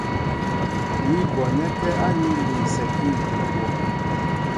Ní bonɛ́kɛ́ aní ń linsɛkí ŋ̀kokwo.